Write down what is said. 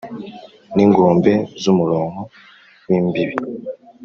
n’ingombe z’umuronko w’imbibi